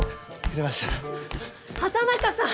畠中さん！